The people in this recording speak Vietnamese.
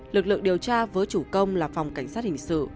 lực lượng điều tra với chủ công là phòng cảnh sát hình sự